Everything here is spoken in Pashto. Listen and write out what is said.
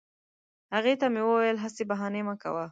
هغې ته مې وویل هسي بهانې مه کوه